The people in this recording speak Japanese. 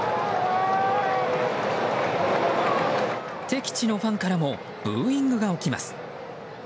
敵地のファンからもブーイングが起きます。